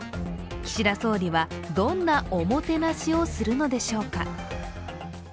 岸田総理は、どんなおもてなしをするのでしょうか。